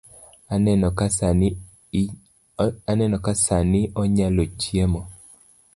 Aneno ka sani onyalo chiemo